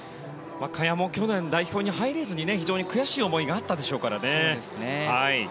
萱も去年、代表に入れずに非常に悔しい思いがあったでしょうからね。